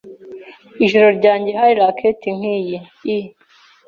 Ijoro ryanjye hari racket nkiyi, I.